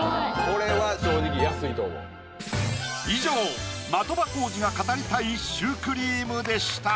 これは正直安いと思う以上的場浩司が語りたいシュークリームでした